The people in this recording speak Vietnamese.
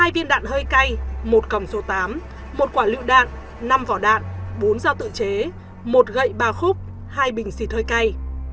hai viên đạn hơi cay một còng số tám một quả lựu đạn năm vỏ đạn bốn dao tự chế một gậy ba khúc hai bình xịt hơi cay